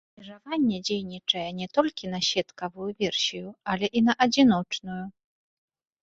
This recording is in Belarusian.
Абмежаванне дзейнічае не толькі на сеткавую версію, але і на адзіночную.